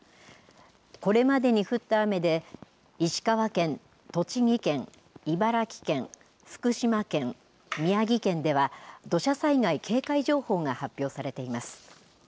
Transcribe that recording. これまでに降った雨で、石川県、栃木県、茨城県、福島県、宮城県では、土砂災害警戒情報が発表されています。